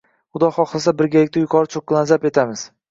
Xudo xohlasa birgalikda yuqori cho'qqilarni zabt etamiz.